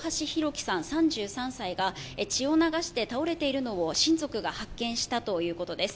輝さん、３３歳が血を流して倒れているのを親族が発見したということです。